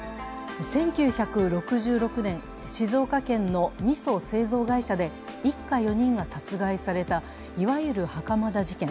１９６６年、静岡県のみそ製造会社で一家４人が殺害された、いわゆる袴田事件。